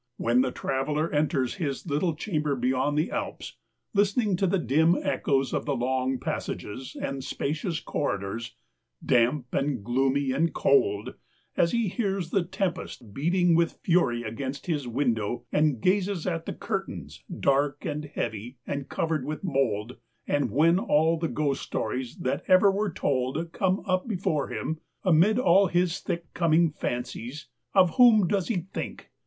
When the traveler enters his little chamber beyond the Alps — listening to the dim echoes of the long passages and spacious corri dors — damp, and gloomy, and cold — as he hears the tempest beating with fury against his win dow, and gazes at the cui'tains, dark, and heavy, and covered with mold — and when all the ghost stories that ever were told come up before him — amid all his thick coming fancies, of whom does he think